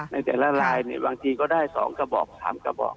ในแต่ละลายเนี่ยบางทีก็ได้๒กระบอก๓กระบอก